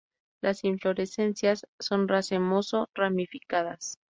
Las inflorescencias son racemoso-ramificadas.